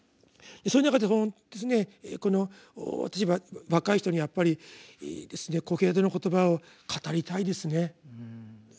そういう中で私は若い人にやっぱり「コヘレトの言葉」を語りたいですね。